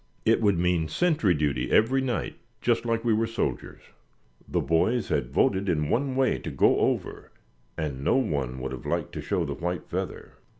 It would mean sentry duty every night, just like we were soldiers." The boys had voted in one way to go over, and no one would have liked to show the white feather.